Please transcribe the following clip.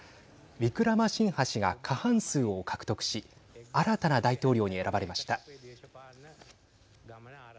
ウィクラマシンハ氏が過半数を獲得し新たな大統領に選ばれました。